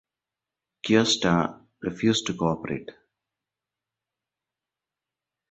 Cuesta refused to co-operate.